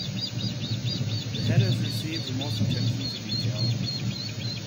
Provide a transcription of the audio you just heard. The head has received the most attention to detail.